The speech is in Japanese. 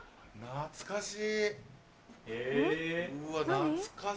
懐かしい？